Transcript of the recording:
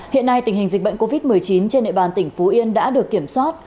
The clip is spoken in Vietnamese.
hiện nay tình hình dịch bệnh covid một mươi chín trên địa bàn tỉnh phú yên đã được kiểm soát